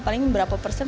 paling berapa persen